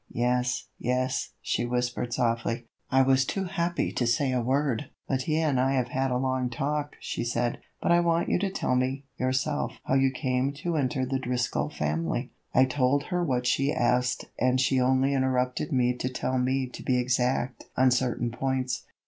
"Yes, yes," she whispered softly. I was too happy to say a word. "Mattia and I have had a long talk," she said, "but I want you to tell me yourself how you came to enter the Driscoll family." I told her what she asked and she only interrupted me to tell me to be exact on certain points.